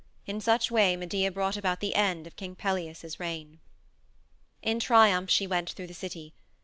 In such way Medea brought about the end of King Pelias's reign. In triumph she went through the city.